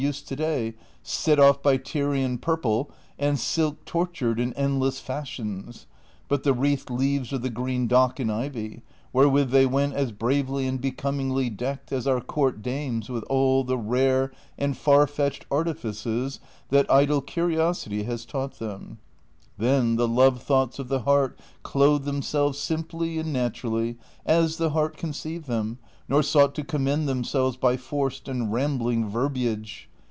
Nor were their ornaments like those in use to day, set off by Tyrian purple, and silk tortured in endless fashions, but the wreathed leaves of the green dock and ivy, wherewith they went as bravely and becomingly decked as our Court dames Avith all the rare and far fetched artifices that idle curiosity has taught them. Then the love thoughts of the heart clothed themselves simply and naturally ^ as the heart conceived them, nor sought to commend themselves by forced and rambling verbiage.